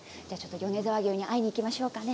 米沢牛、会いに行きましょうかね。